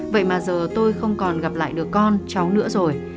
vậy mà giờ tôi không còn gặp lại được con cháu nữa rồi